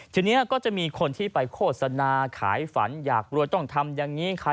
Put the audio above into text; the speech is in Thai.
ทีนี้ก็จะมีคนที่ไปโฆษณาขายฝันอยากรวยต้องทำอย่างนี้